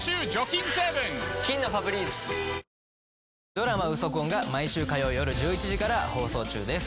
ドラマ『ウソ婚』が毎週火曜夜１１時から放送中です。